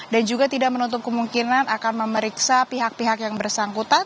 dan juga tidak menutup kemungkinan akan memeriksa pihak pihak yang bersangkutan